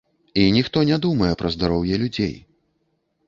І ніхто не думае пра здароўе людзей.